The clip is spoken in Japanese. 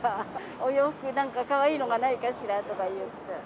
お洋服なんかかわいいのがないかしらとかいって。